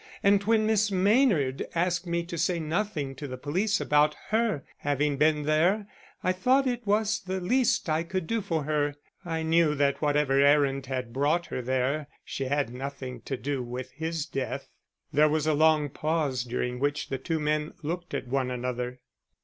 And when Miss Maynard asked me to say nothing to the police about her having been there I thought it was the least I could do for her. I knew that whatever errand had brought her there she had nothing to do with his death." There was a long pause during which the two men looked at one another.